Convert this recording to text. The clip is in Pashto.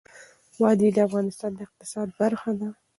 وادي د افغانستان د اقتصاد برخه ده.